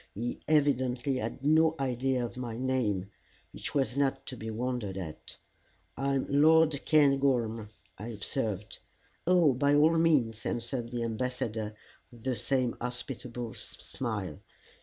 He evidently had no idea of my name, which was not to be wondered at. "I am Lord Cairngorm," I observed. "Oh by all means," answered the Ambassador with the same hospitable smile.